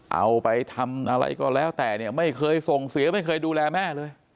เอาไปทำอะไรก็แล้วแต่เนี่ยไม่เคยส่งเสียไม่เคยดูแลแม่เลย